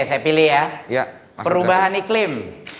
saya pilih ya perubahan iklim